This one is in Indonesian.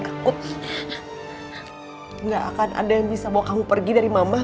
aku tidak akan ada yang bisa bawa kamu pergi dari mama